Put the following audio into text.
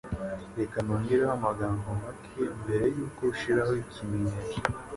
Reka nongereho amagambo make mbere yuko ushiraho ikimenyetso.